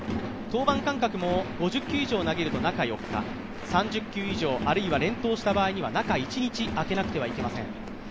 登板間隔も５０球以上投げると中４日３０球以上あるいは連投した場合には中１日空けなければいけません。